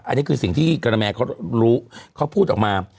อันนี้คือสิ่งที่กระแมเขารู้เขาพูดออกมา